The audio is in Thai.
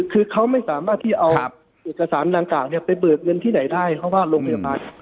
คือเขาไม่สามารถที่เอาเอกสารดังกล่าวเนี่ยไปเบิกเงินที่ไหนได้เพราะว่าโรงพยาบาล